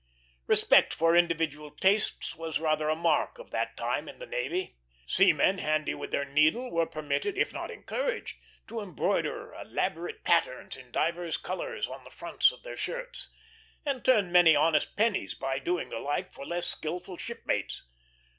Respect for individual tastes was rather a mark of that time in the navy. Seamen handy with their needle were permitted, if not encouraged, to embroider elaborate patterns, in divers colors, on the fronts of their shirts, and turned many honest pennies by doing the like for less skillful shipmates.